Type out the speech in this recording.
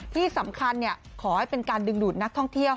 ที่สำคัญขอให้เป็นการดึงดูดนักท่องเที่ยว